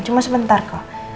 cuma sebentar kok